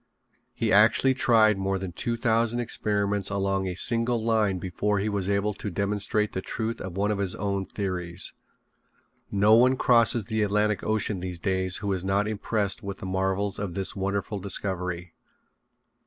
He actually tried more than two thousand experiments along a single line before he was able to demonstrate the truth of one of his own theories. No one crosses the Atlantic Ocean these days who is not impressed with the marvels of this wonderful discovery.